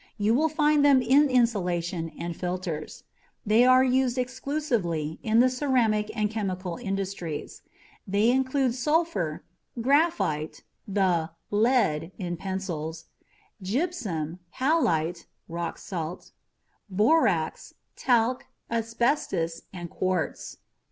You will find them in insulation and filters. They are used extensively in the ceramic and chemical industries. They include sulfur, graphite (the "lead" in pencils), gypsum, halite (rock salt), borax, talc, asbestos and quartz.